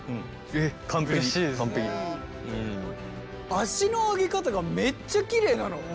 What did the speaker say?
足の上げ方がめっちゃきれいなの。